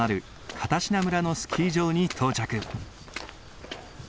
片品村のスキー場に到着。